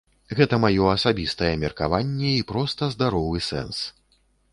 Гэта маё асабістае меркаванне і проста здаровы сэнс.